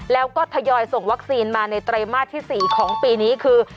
แล้วก็ทยอยส่งวัคซีนมาในไตรมาสที่๔ของปีนี้คือ